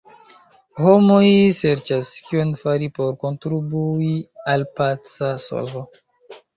Homoj serĉas, kion fari por kontribui al paca solvo.